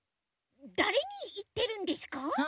だれにいってるんですか？